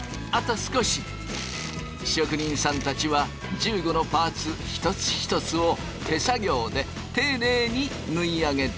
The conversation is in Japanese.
職人さんたちは１５のパーツ一つ一つを手作業で丁寧に縫い上げていく。